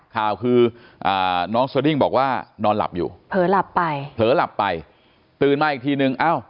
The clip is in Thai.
ข่าวคือน้องสดิ้งบอกว่านอนหลับอยู่เผลอหลับไปเผลอหลับไปตื่นมาอีกทีนึงเอ้า